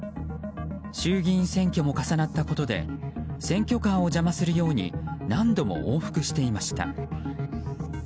衆議院選挙も重なったことで選挙カーを邪魔するように何度も往復していました。